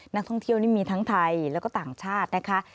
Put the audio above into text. นักท่องเที่ยวนี่มีทั้งไทยแล้วก็ต่างชาตินะคะ